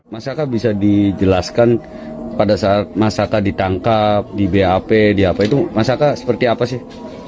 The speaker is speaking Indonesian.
masa kak bisa dijelaskan pada saat masa kak ditangkap di bap di apa itu masa kak seperti apa sih